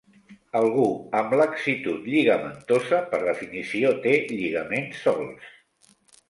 Algú amb laxitud lligamentosa, per definició, té lligaments solts.